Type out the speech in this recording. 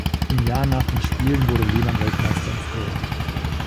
Im Jahr nach den Spielen wurde Lehmann Weltmeister im Vierer.